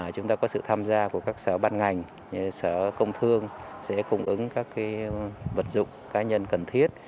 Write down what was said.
chúng ta có sự tham gia của các sở ban ngành sở công thương sẽ cung ứng các vật dụng cá nhân cần thiết